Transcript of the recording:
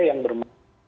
ini kan ada oknum saja